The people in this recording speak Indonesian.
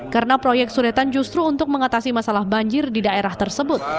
karena proyek sudetan justru untuk mengatasi masalah banjir di daerah tersebut